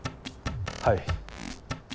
はい。